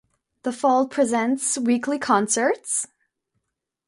The Fold presents weekly concerts.